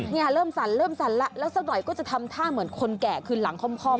เนี่ยเริ่มสั่นละแล้วสักหน่อยก็จะทำท่าเหมือนคนแก่ขึ้นหลังค่อ